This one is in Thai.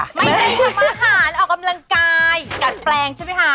ไม่ได้ทำอาหารออกกำลังกายดัดแปลงใช่ไหมคะ